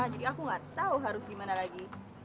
jadi aku gak tau harus gimana lagi